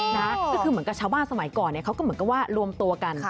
นะก็คือเหมือนกับชาวบ้านสมัยก่อนเขาก็เหมือนกับว่ารวมตัวกัน